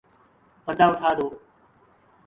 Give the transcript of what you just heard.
پردہ اٹھادو